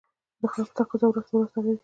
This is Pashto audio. د خلکو تقاتضا ورځ په ورځ تغير کوي